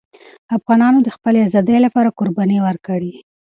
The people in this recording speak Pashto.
افغانانو د خپلې آزادۍ لپاره قربانۍ ورکړې.